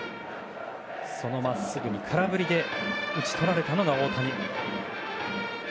そのまっすぐに空振りで打ち取られたのが大谷。